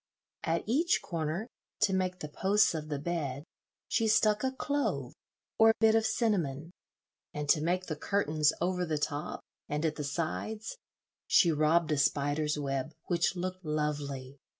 At each corner, to make the posts of the bed, she stuck a clove or bit of cinnamon, and to make the curtains over the top and at the sides she robbed a spider's web, which looked lovely.